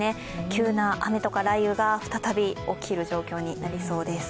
急な雨とか雷雨が再び起きる状況になりそうです。